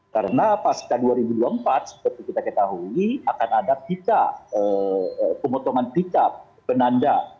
karena pas kita dua ribu dua puluh empat seperti kita ketahui akan ada pita pemotongan pita penanda